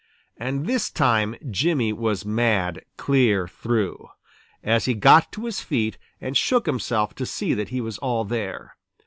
And this time Jimmy was mad clear through, as he got to his feet and shook himself to see that he was all there.